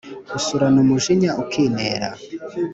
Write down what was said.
usurana umujinya ukinera